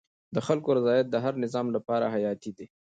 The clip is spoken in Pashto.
د خلکو رضایت د هر نظام لپاره حیاتي دی